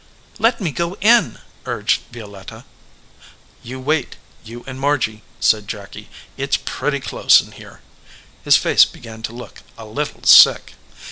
"Let me go in," urged Violetta. "You wait, you and Margy," said Jacky. "It s pretty close in here." His face began to look a little sick.